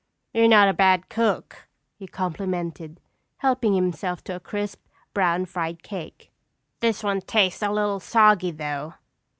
"You're not a bad cook," he complimented, helping himself to a crisp, brown fried cake. "This one tastes a little soggy though."